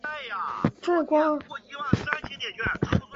腮盖膜与峡部相连。